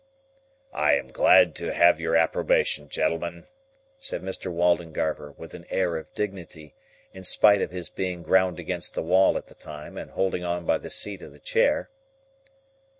"I am glad to have your approbation, gentlemen," said Mr. Waldengarver, with an air of dignity, in spite of his being ground against the wall at the time, and holding on by the seat of the chair.